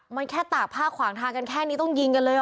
มันแค่ตากผ้าขวางทางกันแค่นี้ต้องยิงกันเลย